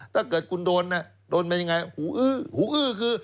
ถ้าเกิดคุณโดนโดนเป็นยังไงหูอื้อหูอื้อคือ